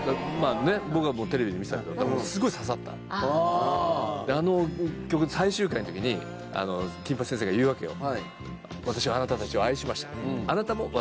僕はテレビで見てたけどあの曲最終回の時に金八先生が言うわけよ。